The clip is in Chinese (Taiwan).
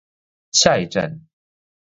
下一站